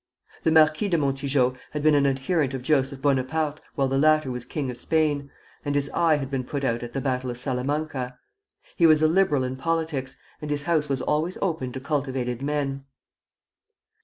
The Marquis de Montijo had been an adherent of Joseph Bonaparte while the latter was king of Spain, and his eye had been put out at the battle of Salamanca. He was a liberal in politics, and his house was always open to cultivated men.